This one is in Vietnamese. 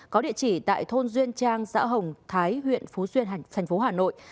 có địa chỉ tại thôn duyên trang xã hồng thái huyện phú xuyên thành phố hà nội